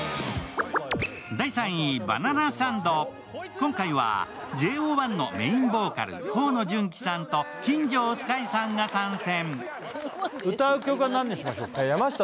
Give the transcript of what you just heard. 今回はＪＯ１のメインボーカル、河野純喜さんと金城碧海さんが参戦。